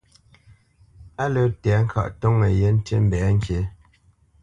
Á lə́ tɛ̌ŋkaʼ ntoŋə yé ntî mbɛ̌ ŋkǐ.